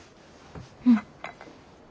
うん。